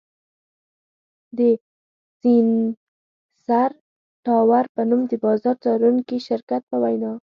د سېنسر ټاور په نوم د بازار څارونکي شرکت په وینا